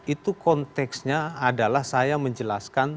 itu konteksnya adalah saya menjelaskan